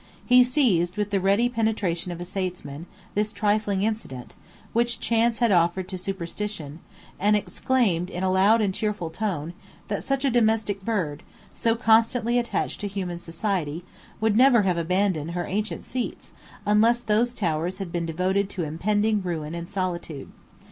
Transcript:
He seized, with the ready penetration of a statesman, this trifling incident, which chance had offered to superstition; and exclaimed, in a loud and cheerful tone, that such a domestic bird, so constantly attached to human society, would never have abandoned her ancient seats, unless those towers had been devoted to impending ruin and solitude.